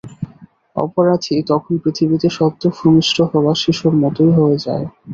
অপরাধী তখন পৃথিবীতে সদ্য ভূমিষ্ঠ হওয়া শিশুর মতই হয়ে যায়।